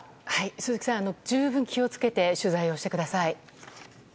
鈴木さん、十分気を付けて取材をしてください。